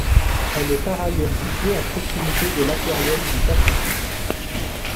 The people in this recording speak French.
Elle est par ailleurs située à proximité de l'Aquarium du Pacifique.